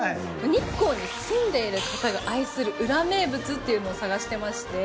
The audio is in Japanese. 日光に住んでる方が愛する裏名物っていうのを探してまして。